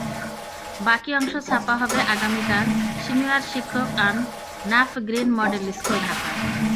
বাকি অংশ ছাপা হবে আগামীকালসিনিয়র শিক্ষকআন Naf green model school, Dhaka